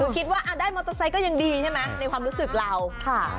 คิดว่าได้มอเตอร์ไซค์ก็ยังดีใช่ไหมในความรู้สึกเราค่ะ